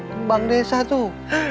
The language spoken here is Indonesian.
kembang desa tuh